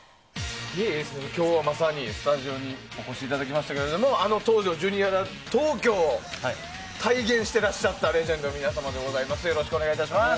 今日は、まさにスタジオにお越しいただきましたけどあの当時のジュリアナ東京を体現してらっしゃったレジェンドの皆様でいらっしゃいます。